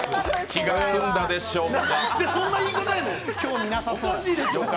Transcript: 気が済んだでしょうか。